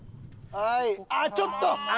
ああちょっと！